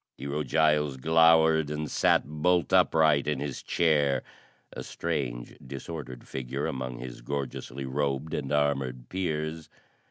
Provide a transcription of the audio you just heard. Hero Giles glowered and sat bolt upright in his chair a strange disordered figure among his gorgeously robed and armored peers.